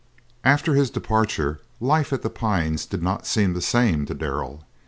After his departure, life at The Pines did not seem the same to Darrell.